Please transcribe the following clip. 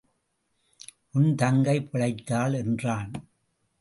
உன் தங்கை பிழைத்தாள் என்றான்.